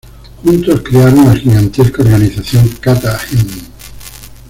Juntos crearon a la gigantesca organización Katha-Hem.